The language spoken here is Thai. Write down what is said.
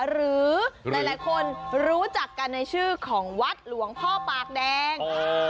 หรือหลายคนรู้จักกันในชื่อของวัดหลวงพ่อปากแดง